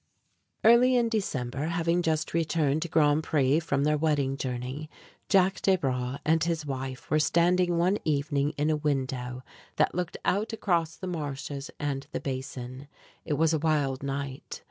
Early in December, having just returned to Grand Pré from their wedding journey, Jack Desbra and his wife were standing one evening in a window that looked out across the marshes and the Basin. It was a wild night.